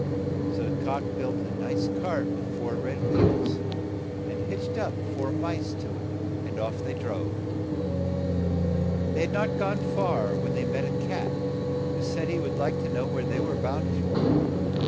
So the cock built a nice tart with four red wheels, and hitched up four mice to it, and off they drove. They had not gone far when they met a cat, who said he would like to know where they were bound for.